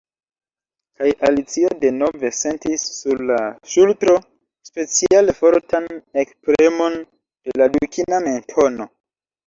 Kaj Alicio denove sentis sur la ŝultro speciale fortan ekpremon de la dukina mentono.